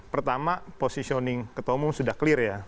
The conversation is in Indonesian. pertama positioning ketua umum sudah clear ya